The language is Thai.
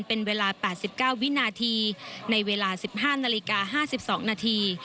เป็นเวลา๘๙วินาทีในเวลา๑๕นาฬิกา๕๒นาที